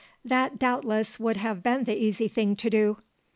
That, doubtless, would have been the easy thing to do.